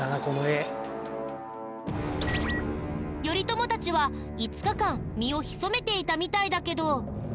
頼朝たちは５日間身を潜めていたみたいだけど。